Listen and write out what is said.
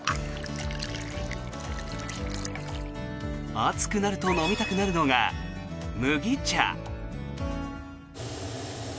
暑くなると飲みたくなるのが麦茶。